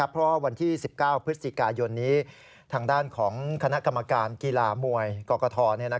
เพราะวันที่๑๙พฤศจิกายนนี้ทางด้านของคณะกรรมการกีฬามวยกรกฐ